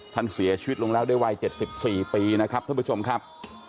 ท่านเสียชีวิตลงแล้วด้วยวัย๗๔ปีนะครับท่านผู้ชมครับ